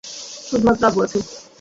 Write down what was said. শুধুমাত্র আব্বু আছে।